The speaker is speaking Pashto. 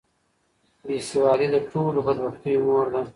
بې سوادي د ټولو بدبختیو مور ده.